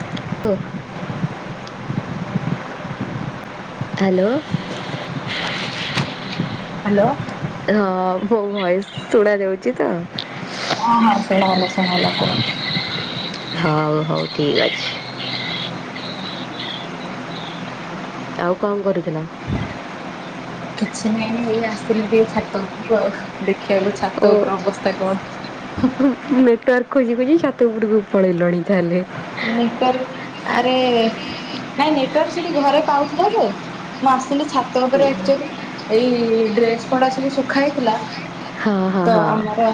[unintelligible] Hello. Hello. ହଁ ମୋ voice ଶୁଣାଯାଉଛି ତ। ହଁ ହଁ ଶୁଣାହେଲା ଶୁଣାହେଲା କୁହ। [inaudible] ହଁ ହଉ ଠିକ ଅଛି। ଆଉ କଣ କରୁଥିଲ। କିଛି ନାଇଁ ଏଇ ଆସିଥିଲି ଟିକେ ଛାତ ଉପରକୁ ଆଉ ଦେଖିବାକୁ ଓ ଛାତ ଉପରେ ଅବସ୍ଥା କଣ। [inaudible] ନେଟୱାର୍କ ଖୋଜି ଖୋଜି ଛାତ ଉପରକୁ ପଳେଇ ଲଣି ତାହାଲେ। ନେଟୱାର୍ ଆରେ ନାଇଁ ନେଟୱାର୍କ ସେଠି ଘରେ ପାଉଥିଲା ଯେ ମୁଁ ଆସିଲି ଛାତ ଉପରେ ଆକ୍ଚୁଆଲି ଏଇ ଡ୍ରେସ ପଡା ସବୁ ଶୁଖା ହେଇଥିଲା। ହଁ ହଁ ତ ହଁ ଆମର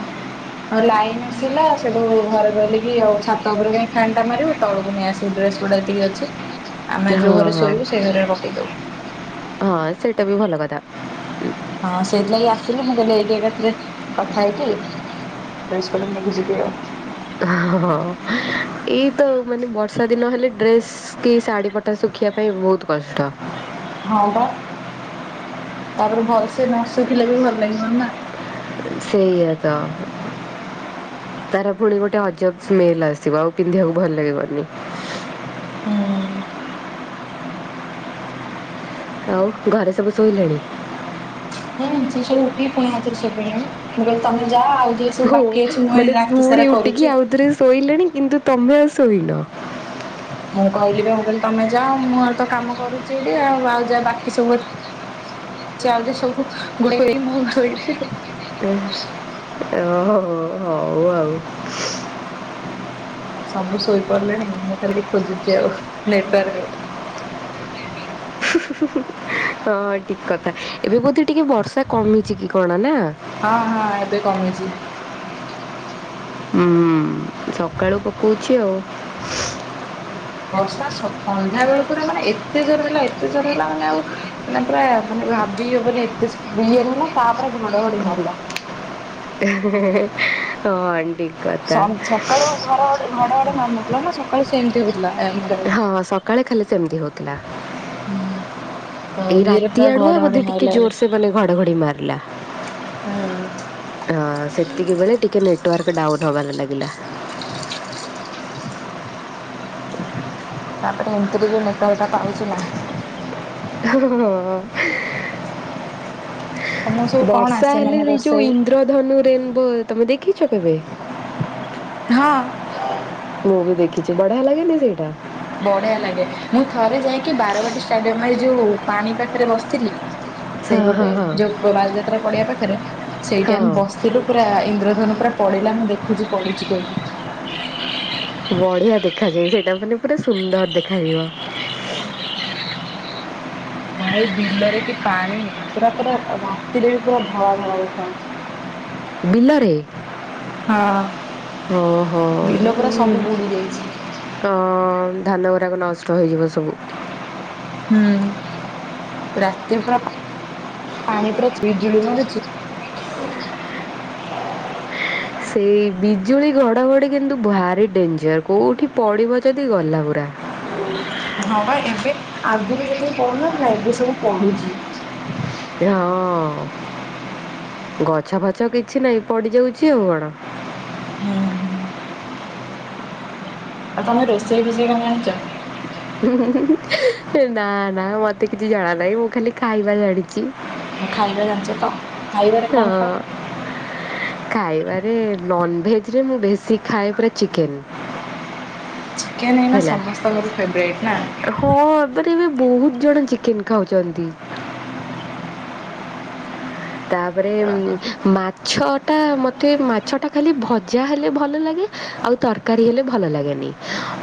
ଆଉ ଲାଇନ ଆସିଲା ସେଠୁ ଘରେ କହିଲେ କି ଆଉ ଛାତ ଉପରେ କା ଫ୍ୟାନ ଟା ମାରିବୁ ତଳକୁ ନେଇ ଆସିବୁ ଡ୍ରେସ ଗୁଡା ଯେତିକି ଅଛି ଆମେ ଯୋଉ ହଁ ଘରେ ହଁ ଶୋଇବୁ ସେଇ ଘରେ ରଖିଦବୁ। ହଁ ସେଇଟା ବି ଭଲ କଥା। ହଁ ସେଇଥିଲାଗି ଆସିଲି ମୁଁ କହିଲି ଏଇଠି ଏକାଥରେ କଥା ହେଇକି ଡ୍ରେସ୍ ପତ୍ର ନେଇକି ଯିବି ଆଉ। ହଁ ଏଇ ତ ମାନେ ବର୍ଷା ଦିନ ହେଲେ ଡ୍ରେସ୍ କି ଶାଢୀ ପଟା ଶୁଖିବା ପାଇଁ ବହୁତ କଷ୍ଟ। ହଁ ବା ତାପରେ ଭଲସେ ନ ଶୁଖିଲେ ବି ଭଲ ଲାଗିବନି ନା। ସେଇଆ ତ। ତାର ପୁଣି ଗୋଟେ ଅଜବ ସ୍ମେଲ ଆସିବ ଆଉ ପିନ୍ଧିବାକୁ ଭଲ ଲାଗିବନି। ହୁଁ। ଆଉ ଘରେ ସବୁ ଶୋଇଲେଣି। ହୁଁ ସେ ସବୁ ଉଠିକି ପୁଣି ଆଥରେ ଶୋଇ ପଇଲେଣି ମୁଁ କହିଲି ତମେ ଯାଅ ଆଉ ଯିଏ ହୁଁ ମାନେ ପୁଣି ଉଠିକି ଆଉ। ଆଉଥରେ ଶୋଇଲେଣି କିନ୍ତୁ ତମେ ଆଉ ଶୋଇନ। ମୁଁ କହିଲି ବା ମୁଁ କହିଲି ତମେ ଯାଅ ମୁଁ ଆଉ ତ କାମ କରୁଛି ଏଠି ଆଉ ଆଉ ଯା ବାକି ସବୁ ଅ [unintelligible] ଓହୋ ହୋଉ ଆଉ। ସବୁ ଶୋଇପଡିଲେଣି ମୁଁ ଖାଲି ଖୋଜୁଛି ଆଉ ନେଟୱାର୍କ। [inaudible] ହଁ ଠିକ କଥା ଏବେ ବୋଧେ ଟିକେ ବର୍ଷା କମିଛି କି କଣ ନା। ହଁ ହଁ ଏବେ କମିଛି। ହୁଁ ସକାଳୁ ପକଉଛି ଆଉ। ବର୍ଷା ସ ସନ୍ଧ୍ୟାବେଳେ ପୁରା ମାନେ ଏତେ ଜୋରେ ହେଲା ଏତେ ଜୋରେ ହେଲା ମାନେ ଆଉ ମାନେ ପୁରା ମାନେ ଭାବି ହବନି ଏତେ ସ୍ପ୍ରି ହେଲା ତାପରେ ଘଡଘଡି ମାରିଲା। [inaudible] ହଁ [unintelligible] ସନ୍ ସକାଳୁ ଘଡ ଘ ଘଡ ଘଡି ମାରୁନଥିଲା ନା ସକାଳୁ ସେମିତି ହଉଥିଲା ଏ ଆମର ଏ ହଁ ସକାଳେ ଖାଲି ସେମିତି ହଉ ହୁଁ। ତ ଏଇ ଇଏରେ ରାତି ପୁରା ଆଡୁଆ ଘଡଘଡି ବୋଧେ ଟିକେ ମାଇଲା ଆଉ। ଜୋର ସେ ମାନେ ଘଡଘଡି ମାରିଲା। ହୁଁ। ହଁ ସେତିକି ବେଳେ ଟିକେ ନେଟୱାର୍କ ଡାଉନ ହବାର ଲାଗିଲା। ତାପରେ ଏମିତିରେ ଯୋଉ ନେଟୱାର୍କ ଟା ପାଉଛି ନା। ହଁ। [inaudible] ତମକୁ ସବୁ କଣ ବର୍ଷା ଆସେ ହେଲେ ମାନେ ସେ ଯୋଉ ରୋଷେଇ? ଇନ୍ଦ୍ରଧନୁ ରେନବୋ ତମେ ଦେଖିଛ କେବେ? ହଁ। ମୁଁ ବି ଦେଖିଚି ବଢିଆ ଲାଗେ ନି ସେଇଟା? ବଢିଆ ଲାଗେ ମୁଁ ଥରେ ଯାଇକି ବାରବାଟୀ ଷ୍ଟାଡିୟମ୍ ଏ ଯୋଉ ପାଣି ପାଖରେ ବସିଥିଲି। ହଁ ହଁ ସେଇପଟେ ହଁ ଯୋଉ ପୋଡାଯାତ୍ରା ପାଖରେ ସେଇଠି ଆମେ ହଁ ବ ସେଇଠି ପୁରା ଇନ୍ଦ୍ରଧନୁ ପୁରା ପଡିଲା ମୁଁ ଦେଖୁଚି ପଡିଚି କେମିତି। ବଢିଆ ଦେଖାଯାଏ ସେଇଟା ମାନେ ପୁରା ସୁନ୍ଦର ଦେଖାଯିବ। ଉହୁଁ ଭାଇ ବିଲ ରେ କି ପାଣି? ପୁରା ପୁରା ରାତିରେ ବି ପୁରା ଧଳା ଧଳା ଦେଖାଯାଉଛି। ବିଲରେ? ହଁ। ଓହୋ ବିଲ ପୁରା ଉଁ। ସବୁ ବୁଡି ଯାଇଛି। ଅ ଧାନ ଗୁଡାକ ନଷ୍ଟ ହେଇଯିବ ସବୁ। ହୁଁ ରାତି ପୁରା ପାଣି ପୁରା ଜିଳି ଜିଳି ହୋଉଚି। ସେଇ ବିଜୁଳି ଘଡ଼ଘଡ଼ି କିନ୍ତୁ ଭାରି ଡେଞ୍ଜର କେଉଁଠି ପଡ଼ିବ ଯଦି ଗଲା ପୁରା। ହଁ ବା ଏବେ ଆଗରୁ ଯେତିକି ପଢୁନଥିଲା ଏବେ ସବୁ ପଡୁଚି। ହଁ ଗଛ ଫଛ କିଛି ନାଇଁ ପଡିଯାଉଛି ଆଉ କଣ? ହୁଁ ହୁଁ। ଆଉ ତମେ ରୋଷେଇ ଫୋଷେଇ କଣ ଜାଣିଚ? ନା ନା ମତେ କିଛି ଜଣା ନାହିଁ ମୁଁ ଖାଲି ଖାଇବା ଜାଣିଚି। ଖାଇବା ଜାଣିଚ ତ? ଖାଇବାରେ କଣ ହଁ। ଖାଅ? ଖାଇବାରେ ନନ୍‌ଭେଜରେ ମୁଁ ବେଶୀ ଖାଏ ପୁରା ଚିକେନ୍‌। ଚିକେନ୍‌ ଏଇନା ସମସ୍ତଙ୍କର ଫେବରାଇଟ୍ ନା। ହଁ ଏବେ ଟିକେ ବହୁତ ଜଣ ଚିକେନ୍ ଖାଉଛନ୍ତି। ତାପରେ ମା ଛଅ ଟା ମତେ ମାଛ ଟା ଖାଲି ଭଜା ହେଲେ ଭଲ ଲାଗେ ଆଉ ତର କାରୀ ହେଲେ ଭଲ ଲାଗେନି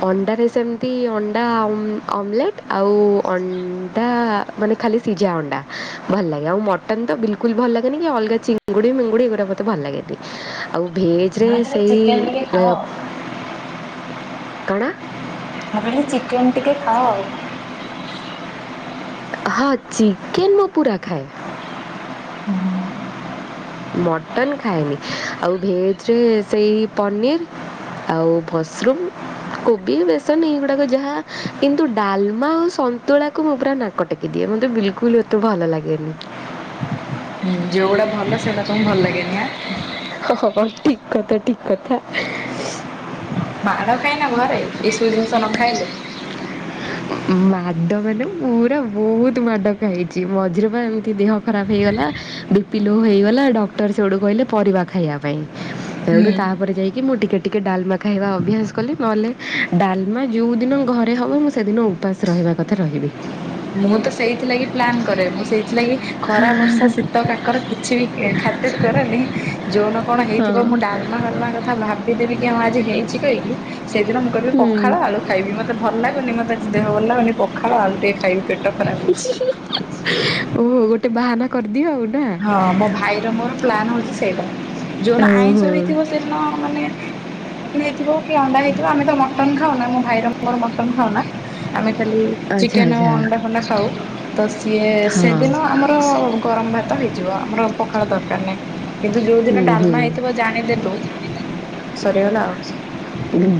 ଅଣ୍ଡାରେ ସେମିତି ଅଣ୍ଡା ଅମଲେଟ୍ ଆଉ ଅଣ୍ଡା ମାନେ ଖାଲି ସିଝା ଅଣ୍ଡା ଭଲ ଲାଗେ ଆଉ ମଟନ ତ ବିଲ୍ ଭଲ ଲାଗେନି କି ଅଲଗା ଚିଙ୍ଗୁଡିି ମିଙ୍ଗୁଡି ଏଗୁରା ମତେ ଭଲ ଲାଗେନି ଆଉ ଭେଜ ଭେଜ୍‌ରେ ମାନେ ଖାଲି ସେଇ ଚିକେନ ଟିକେ ଖାଅ କଣ? ମୁଁ କହିଲି ଚିକେନ୍‌ ଟିକେ ଖାଅ। ହଁ ଚିକେନ୍‌ ମୁଁ ପୁରା ଖାଏ। ହୁଁ। ମଟନ୍ ଖାଏନି ଆଉ ଭେଜ୍‌ରେ ସେଇ ପନିର୍ ଆଉ ମସ୍ମ୍ରମ୍ କୋବି ବେସନ ଏଇଗୁଡାକ ଯାହା କିନ୍ତୁ ଡାଲମା ଆଉ ସ ନ୍ତୁଳା କୁ ମୁଁ ପୁରା ନାକଟେକି ଦିଏ ମୋତେ ବିଲକୁଲ ଏତେ ଭଲ ଲାଗେନି। ହୁଁ ଯୋଉଗୁଡା ଭଲ ସେଇଟା ତମକୁ ଭଲ ଲାଗେନି ଆ ହଁ ଠିକ୍ କଥା ଠିକ୍ କଥା। ମାଡ଼ ଖାଇନ ଘରେ ଏସବୁ ଜିନିଷ ନ ଖାଇଲେ? ମାଡ଼ ମାନେ ପୁରା ବହୁତ ମାଡ ଖାଇଚି ମଝିରେ ପା ଏମିତି ଦେହ ଖରାପ ହେଇଗଲା। ବିପି ଲୋ ହେଇଗଲା ଡକ୍ଟର ସେଠୁ କହିଲେ ପରିବା ଖାଇବା ପାଇଁ। ତଣୁ ହୁଁ। ତାପରେ ଯାଇକି ମୁଁ ଟିକେ ଟିକେ ଡାଲମା ଖାଇବା ଅଭ୍ୟାସ କଲି ନହେଲେ ଡାଲମା ଯେଉଁ ଦିନ ଘରେ ହେବ ମୁଁ ସେ ସେଦିନ ଉପାସ ରହିବା କଥା ରହିବି। ମୁଁ ତ ସେଇଥିଲାଗି ପ୍ଲାନ୍ କରେ ମୁଁ ସେଇଥିଲାଗି ଖରା ବର୍ଷା ଶୀତ କାକର କିଛି ବି ଏ ଖାତିର କରନି ଯୋଉନ କଣ ହଁ। ହେଇଥିବ ମୁଁ ଡାଲ୍ ମାଲମା କଥା ଭାବିଦେବି କି ଆମ ଆଜି ହେଇଛି କହିିକି ସେଇଦିନ ମୁଁ କହିବି ହୁଁ ପଖାଳ ଆଳୁ ଖାଇବି ମତେ ଭଲ ଲାଗୁନି ମତେ ଆଜି ଦେହ ଭଲ ଲାଗୁନି ପଖାଳ ଆଳୁ ଟିକେ ଖାଇବି ପେଟ ଖରାପ ହେଇଛି। ଓହୋ ଗୋଟେ ବାହାନା କରିଦିଅ ଆଉ। ନା ହଁ ମୋ ଭାଇର ମୋର ପ୍ଲାନ୍ ହଉଛି ସେଇଟା ଯୋଉନ ଓହୋ ଆଇଁଷ ହେଇଥିବ ସେଦିନ ମାନେ ହେଇଥିବ କି ଅଣ୍ଡା ହେଇଥିବ ଆମେ ତ ମଟନ ଖାଉନା ମୋ ଭାଇର ମୋର ମଟନ ଖାଉନା। ଆମେ ଖାଲି ଆଚ୍ଛା ଚିକେନ ଆଉ ଆଚ୍ଛା ଅଣ୍ଡା ଫଣ୍ଡା ଖାଉ ତ ସିଏ ହଁ ସେଦିନ ଆମର ଗରମ ଭା ତ ହେଇଯିବ ଆମର ପଖାଳ ଦରକାର ନାହିଁ କିନ୍ତୁ ଯୋଉ ଦିନ ହୁଁ ହୁଁ ଡାଲମା ହେଇଥିବ ଜାଣିଦେଲୁ ସରିଗଲା ଆଉ।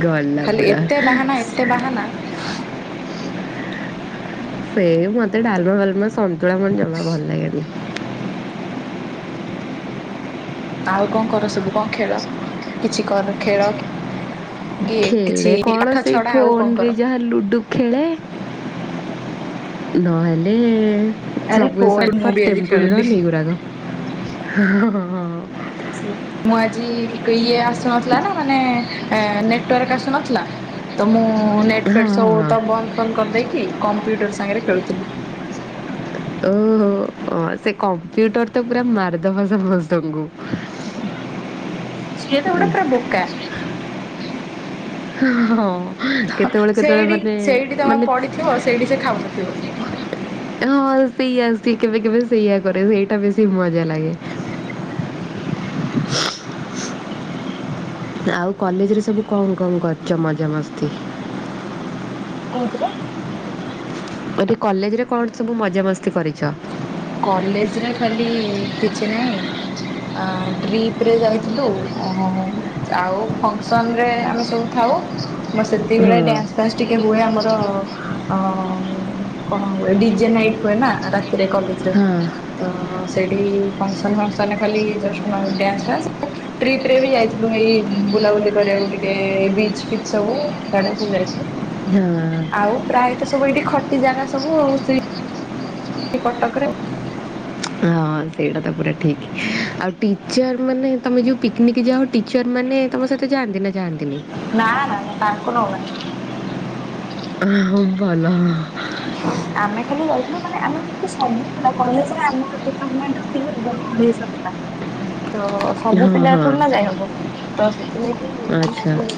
ଗଲା ଖାଲି ପୁରା ଏତେ ବାହାନା ସ ଏତେ ବାହାନା ସେ ମୋତେ ଡାଲମା ଫାଲମା ସନ୍ତୁଳା ମତେ ଜମା ଭଲ ଲାଗେନି। ଆଉ କଣ କର ସବୁ କଣ ଖେଳ କିଛି କର ଖେଳ କି କିଛି ଖେଳେ କଣ ପାଠ ସେଇ ଛଡା ଆଉ କଣ ଫୋନରେ କର? ଯାହା ଲୁଡ଼ୁ ଖେଳେ ନହେଲେ ଆରେ ସବୁ ଏ ଫୋନ ମୁଁ ବି ସରଫର ଆଜି ଟେମ୍ପୁଲ ଖେଳୁଥିଲି। ରନ୍ ଏଇଗୁରାକ ହଁ ହଁ ହଁ ହଁ ହଁ ସି ମୁଁ ଆଜି ଇଏ ଆସୁନଥିଲା ନା ମାନେ ଏଁ ନେଟୱାର୍କ ଆସୁନଥିଲା ତ ମୁଁ ନେଟ ହଁ ହଁ ଫେଟ ସବୁ ହଁ ତ ବନ୍ଦ ଫନ୍ଦ କରିଦେଇକି କମ୍ପ୍ୟୁଟର ସାଙ୍ଗରେ ଖେଳୁଥିଲି। ଓହୋ ହଁ ସେ କମ୍ପ୍ୟୁଟର ତ ପୁରା ମାରିଦବ ସମସ୍ତଙ୍କୁ। ଉଁହୁ ସିଏ ତ ବଡ଼ ପୁରା ବୋକା। ହଁ କେତେବେଳେ କେତେବେଳେ ସେଇଠି ମାନେ ସେଇଠି ତମେ ମାନେ ପଡିଥିବ ସେଇଠି ସେ ଖାଉନଥିବ। ହଁ ସେଇଆ ସେ କେବେ କେବେ ସେଇୟାଆ କରେ ସେଇଟା ବେଶୀ ମଜା ଲାଗେ। ଆଉ କଲେଜରେ ସବୁ କଣ କଣ କରିଛ ମଜାମସ୍ତି? କଉଥିରେ? ଏଠି କଲେଜ ରେ କଣ ସବୁ ମଜାମସ୍ତି କରିଛ? କଲେଜରେ ଖାଲି କିଛି ନାଇଁ। ଆଁ ଟ୍ରିପ ରେ ଯାଇଥିଲୁ ଅଁ ଆଉ ଫଙ୍କସନ୍ ରେ ଆମେ ସବୁ ଥାଉ ମ ସେତିକ ହଁ ବଳେ ଡ୍ୟାନ୍ସ ଫ୍ୟାନ୍ସ ଟିକେ ହୁଏ ଆମର ଅଁ କଣ ହୁଏ ଡିଜେ ନାଇଟ୍ ହୁଏ ନା ରାତିରେ କଲେଜ ରେ ହଁ ତ ସେଇଠି ଫଙ୍କସନ୍ ଫଙ୍କସନ୍ ରେ ଖାଲି ଜଷ୍ଟ ଅଁ ଡ୍ୟାନ୍ସ୍। ଟ୍ରିପ ରେ ବି ଯାଇଥିଲୁ ଏଇ ବୁଲାବୁଲି କରିବାକୁ ଟିକେ ବିଚ ଫିଚ ସବୁ ସିଆଡେ ସବୁ ଯାଇଥିଲୁ। ହୁଁ। ଆଉ ପ୍ରାୟତଃ ସବୁ ଏଇଠି ଖଟି ଜାଗା ସବୁ ଆଉ ସେଇ ଏ କଟକରେ ଆଉ। ହଁ ସେଇଟା ତ ପୁରା ଠିକ୍ ଆଉ ଟିଚର ମାନେ ତମେ ଯୋଉ ପିକନିକ ଯାଅ ଟିଚର୍ ମାନେ ତମ ସହିତ ଯାଆନ୍ତି ନା ଯାଆନ୍ତିନି? ନା ନା ମୁଁ ତାଙ୍କୁ ନଉ ନାହିଁ। ଅଁ ହଁ ଭଲ। ଆମେ ଖାଲି ଯାଇଥିଲୁ ମାନେ ଆମେ ଯେମତି ସବୁ ପିଲା କଲେଜରେ ଆମ ଡିପାଟର୍ମେଣ୍ଟର [unintelligible] ତ ସବୁ ହଁ ପିଲା ହଁ ଅଛନ୍ତି ନା ଯାଇ ହବ ତ ସେଥିଲାଗି ଆମ ଆଚ୍ଛା ଖାଲି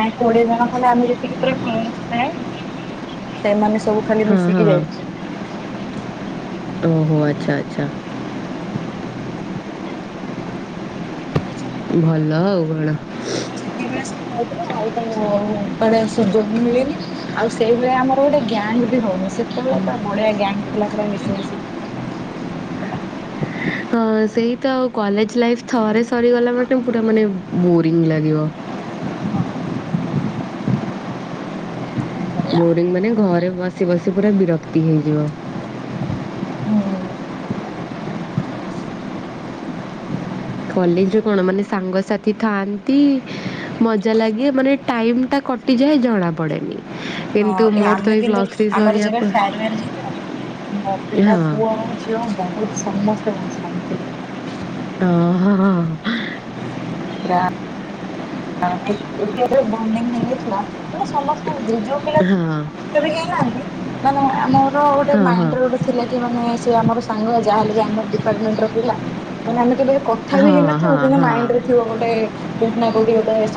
ନାଇଁ କୋଡିଏ ଜଣ ଖଣ୍ତେ ଆମେ ଯେତିକି ପୁରା [unintelligible] ସେମାନେ ସବୁ ଖାଲି ହୁଁ ମିଶିକି ହୁଁ ଯାଇଥିଲେ। ଓହୋ ଆଚ୍ଛା ଆଚ୍ଛା। ଏମିତି ସବୁ ଭଲ ଆଉ କଣ। ସେତିକିବେଳେ ସବୁ ଖାଇଥିଲୁ ଆଉ ତ ଆଉ କୁଆଡ଼େ ସୁଯୋଗ ମିଳିନି। ଆଉ ସେଇଭଳିଆ ଆମର ଗୋଟେ ଗ୍ୟାଙ୍ଗ ବି ହଉନି। ସେତେବେଳେ ପୁରା ବଢିଆ ଗ୍ୟାଙ୍ଗ ଥିଲା ପୁରା ମିଶି ମାଶିକି। ହଁ ସେଇ ତ ଆଉ କଲେଜ୍ ଲାଇଫ୍ ଥରେ ସରିଗଲା ମାନେ ପୁରା ମାନେ ବୋରିଙ୍ଗ ଲାଗିବ। [unintelligible] କଣ କରିବା ବୋରିଙ୍ଗ ମାନେ ଘରେ ବସି ବସି ପୁରା ବିରକ୍ତି ହେଇଯିବ। ହୁଁ। କଲେଜରେ କଣ ମାନେ ସାଙ୍ଗସାଥି ଥାଆନ୍ତି ମଜା ଲାଗେ। ମାନେ ଟାଇମ୍ ଟା କଟିଯାଏ ଜଣାପଡ଼େନି। ହଁ। କିନ୍ତୁ ଏ ମୋର ତ ଆମେ ଏଇ କିନ୍ତୁ ପ୍ଲସ୍ ଏ ଥ୍ରୀ ଆମର ସରିବା ପ ଯେବେ ଫେର୍ୱେଲ ହେଇଥିଲା ହଁ [unintelligible] ପୁଅ ହଉ ଝିଅ ବହୁତ୍ ସମସ୍ତେ। [unintelligible] ହଁ, ହଁ ହଁ ହଁ। ପ୍ରା [unintelligible] ବଣ୍ଡିଙ୍ଗ ହେଇଯାଇଥିଲା, ମାନେ ସମସ୍ତଙ୍କ ଭିତରେ ଯୋଉ ହଁ। କେବେ କେହିନାହାନ୍ତି ମାନେ ଆମର ଗୋଟେ ହଁ ହଁ ମାଇଣ୍ଡରେ ଗୋଟେ ଥିଲା କି କି ମାନେ ସେ ଆମର ସାଙ୍ଗ। ଯାହାହେଲେ ବି ଆମ ଡିପାର୍ଟମେଣ୍ଟ ର ପିଲା, ମାନେ ଆମେ କେବେ କ କଥା ବି ହେଇନଥିବୁ ହଁ କିନ୍ତୁ ହଁ ମାଇଣ୍ଡରେ ଥିବ ଗୋଟେ କୋଉଠି ନା କୋଉଠି ଗୋଟେ ସ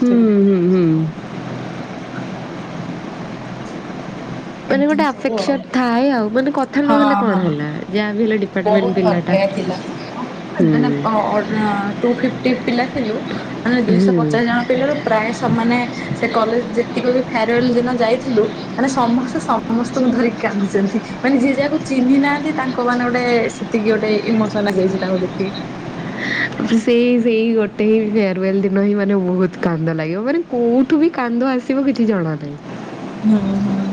ହୁଁ ହୁଁ ହୁଁ। ମାନେ ଏମିତି ଗୋଟେ ସବୁ ଆଫେକ୍ସନ ଆଉ ଥାଏ ଆଉ। ମାନେ କଥା ହଁ ନହେଲେ କଣ ହଁ। ହେଲା, ଯାହା ବି ହେଲେ ବହୁତ ଡିପାର୍ଟମେଣ୍ଟ ଭଲ ପିଲାଟା। ପାଇବା ହୁଁ [unintelligible] ଟୁ ଫିଫ୍ଟି ପିଲା ଥିଲୁ। ମାନେ ଦୁଇ ଶହ ହୁଁ ପଚାଶ ଜଣ ପିଲାରୁ ପ୍ରାୟ ସମାନେ ସେ କଲେଜ ଯେତିକି ବି ଫେୟାରୱାଲ୍ ଦିନ ଯାଇଥିଲୁ ମାନେ ସମସ୍ ସମସ୍ତଙ୍କୁ ଧରିକି କାନ୍ଦିଛନ୍ତି। ମାନେ ଯିଏ ଯାହାକୁ ଚିହ୍ନି ନାହାନ୍ତି ତାଙ୍କ ମାନେ ଗୋଟେ ଏତିକି ଗୋଟେ ଇମୋସନ ଆସିଯାଇଚି ତାଙ୍କୁ ଦେଖିକି। ସେଇ ସେଇ ଗୋଟେ ହି ଫେୟାରୱାଲ୍ ଦିନ ହିଁ ମାନେ ବହୁତ କାନ୍ଦ ଲାଗିବ, ମାନେ କୋଉଠୁ ବି କାନ୍ଦ ଆସି ଥିବ କିଛି ଜଣା ନାଇଁ। ହୁଁ ହୁଁ।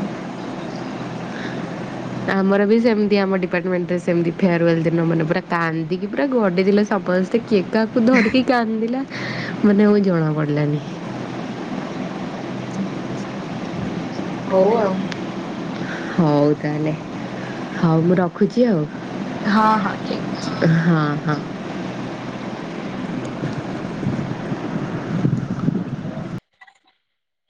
ଆମର ବି ସେମତି ଆମ ଡିପାର୍ଟମେଣ୍ଟରେ ସେମିତି ଫେୟାରୱାଲ୍ ଦିନ ମାନେ ପୁରା କାନ୍ଦନ୍ତିି ପୁରା ଗଡିଥିଲେ ସମସ୍ତେ କିଏ କାହାକୁ ଧରିକି କାନ୍ଦିଲା ମାନେ ଆଉ ଜଣା ପଡିଲାନି। ହଉ ଆଉ। ହଉ ତାହେଲେ ହଉ ମୁଁ ରଖୁଚି ଆଉ। ହଁ ହଁ ଠିକ୍। ହଁ ହଁ।